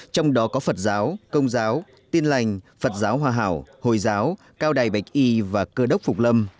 trong đó có phật giáo công giáo tin lành phật giáo hòa hảo hồi giáo cao đài bạch y và cơ đốc phục lâm